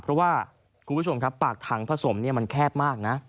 เพราะว่าคุณผู้ชมครับปากถังผสมมันแคบมากนะ